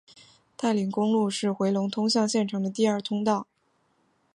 太临公路是回龙通向县城的第二通道。